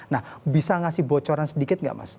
nah bisa ngasih bocoran sedikit nggak mas